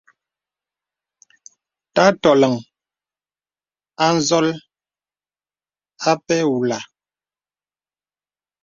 Tà tɔləŋ a n̄zɔl apɛ̂ ùlāā.